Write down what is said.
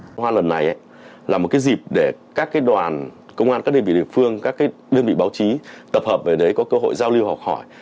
hoa lần này là một cái dịp để các đoàn công an các đơn vị địa phương các đơn vị báo chí tập hợp về đấy có cơ hội giao lưu học hỏi